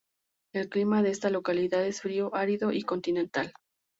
El clima de esta localidad es frío, árido y continental.